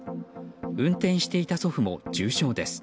運転していた祖父も重傷です。